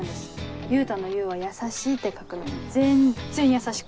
優太の「優」は「優しい」って書くのに全然優しくない。